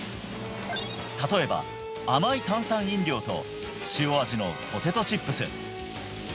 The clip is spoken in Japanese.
例えば甘い炭酸飲料と塩味のポテトチップス